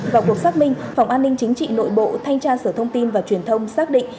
vào cuộc xác minh phòng an ninh chính trị nội bộ thanh tra sở thông tin và truyền thông xác định